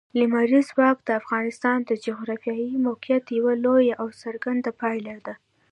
لمریز ځواک د افغانستان د جغرافیایي موقیعت یوه لویه او څرګنده پایله ده.